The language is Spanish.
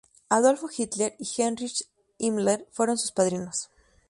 Adolf Hitler y Heinrich Himmler fueron sus padrinos.